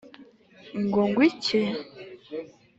ngo ngwiki?!